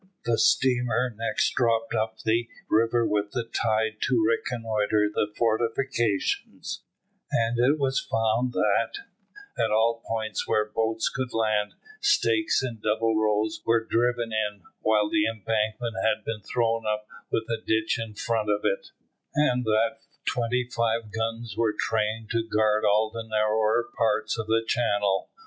The steamer next dropped up the river with the tide to reconnoitre the fortifications, and it was found that, at all points where boats could land, stakes in double rows were driven in, while an embankment had been thrown up with a ditch in front of it, and that twenty five guns were trained to guard all the narrower parts of the channel.